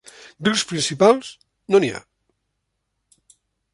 Rius principals: no n'hi ha.